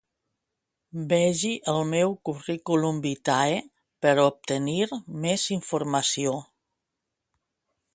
Vegi el meu cv per obtenir més informació.